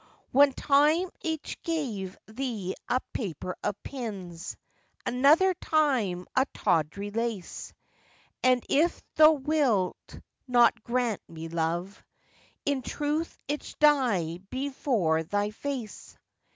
One time Ich gave thee a paper of pins, Anoder time a taudry lace; And if thou wilt not grant me love, In truth Ich die bevore thy vace.